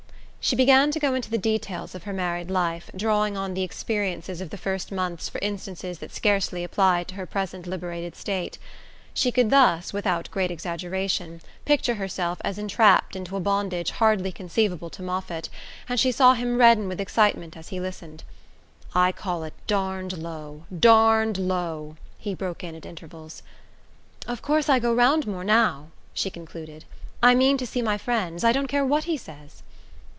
She began to go into the details of her married life, drawing on the experiences of the first months for instances that scarcely applied to her present liberated state. She could thus, without great exaggeration, picture herself as entrapped into a bondage hardly conceivable to Moffatt, and she saw him redden with excitement as he listened. "I call it darned low darned low " he broke in at intervals. "Of course I go round more now," she concluded. "I mean to see my friends I don't care what he says."